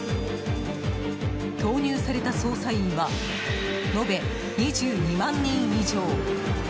投入された捜査員は延べ２２万人以上。